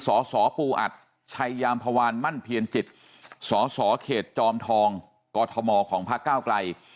สอสอปูอัติชัยยามภวารมั่นเพียญจิตสอสอเขตจอมทองกฎฑมอร์ของพระเก้าไกร